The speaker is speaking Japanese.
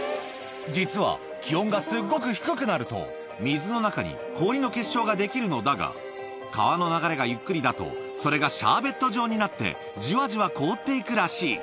実は、気温がすっごく低くなると、水の中に氷の結晶が出来るのだが、川の流れがゆっくりだと、それがシャーベット状になって、じわじわ凍っていくらしい。